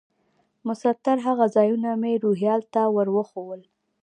مسطر هغه ځایونه مې روهیال ته ور وښوول.